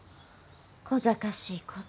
こざかしいこと。